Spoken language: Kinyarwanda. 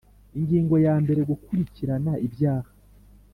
Ingingo ya mbere Gukurikirana ibyaha